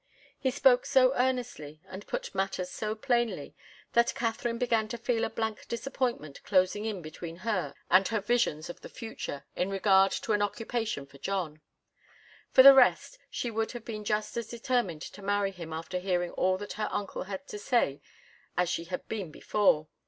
He spoke so earnestly, and put matters so plainly, that Katharine began to feel a blank disappointment closing in between her and her visions of the future in regard to an occupation for John. For the rest, she would have been just as determined to marry him after hearing all that her uncle had to say as she had been before.